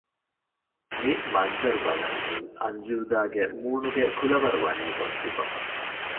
މި މަންޒަރު ބަލަން އިން އަންޖޫދާގެ މޫނުގެ ކުލަވަރު ވަނީ އޮއްސިފަ